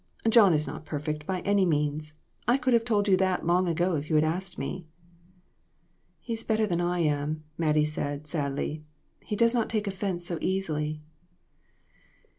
John is not per fect, by any means. I could have told you that long ago if you had asked me." "He's better than I am," Mattie said, sadly; "he does not take offense so easily."